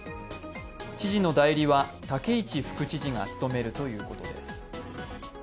知事の代理は武市副知事が務めるということです。